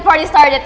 kau gak sudah tahu